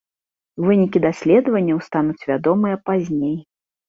Вынікі даследаванняў стануць вядомыя пазней.